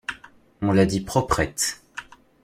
On la dit proprette.